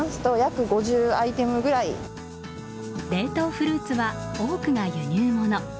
冷凍フルーツは多くが輸入物。